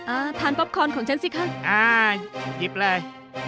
อ่าทานป๊อปคอนของฉันสิคะอ่าหยิบเลย